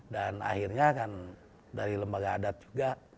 dan akhirnya kan dari lembaga adat juga